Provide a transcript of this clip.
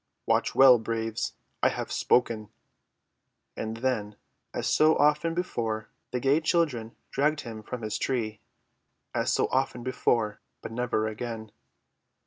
"Watch well, braves. I have spoken." And then, as so often before, the gay children dragged him from his tree. As so often before, but never again.